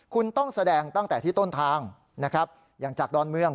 คุณต้องแสดงตั้งแต่ที่ต้นทางนะครับอย่างจากดอนเมือง